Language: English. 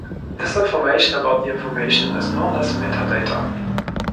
This information about the information is known as metadata.